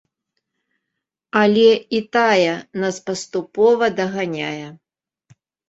Але і тая нас паступова даганяе.